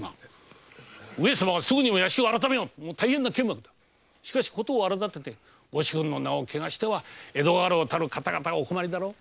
上様はすぐ屋敷をあらためよと大変な剣幕だが事を荒だててご主君の名を汚しては江戸家老たる方々はお困りだろう。